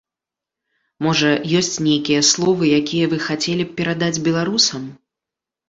Можа, ёсць нейкія словы, якія вы хацелі б перадаць беларусам?